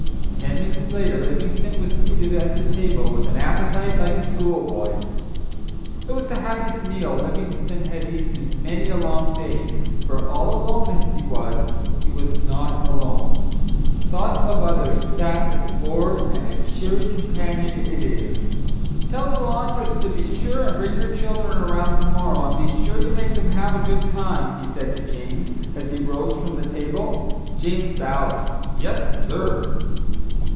Ten minutes later Livingstone was seated at the table with an appetite like a schoolboy's. It was the happiest meal Livingstone had eaten in many a long day; for, all alone as he was, he was not alone. Thought of others sat at the board and a cheery companion it is. "Tell the laundress to be sure and bring her children around to morrow, and be sure you make them have a good time," he said to James, as he rose from the table. James bowed. "Yes, sir."